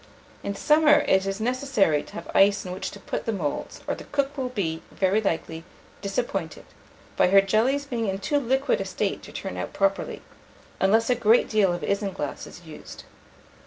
In summer it is necessary to have ice in which to put the moulds, or the cook will be, very likely, disappointed, by her jellies being in too liquid a state to turn out properly, unless a great deal of isinglass is used.